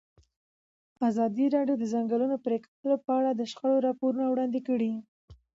ازادي راډیو د د ځنګلونو پرېکول په اړه د شخړو راپورونه وړاندې کړي.